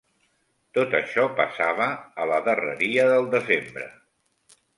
Tot això passava a la darreria del desembre